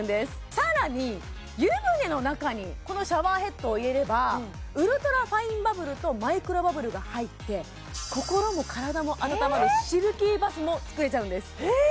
さらに湯船の中にこのシャワーヘッドを入れればウルトラファインバブルとマイクロバブルが入って心も体も温まるシルキーバスも作れちゃうんですへえ！